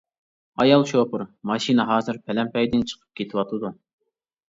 ئايال شوپۇر: ماشىنا ھازىر پەلەمپەيدىن چىقىپ كېتىۋاتىدۇ!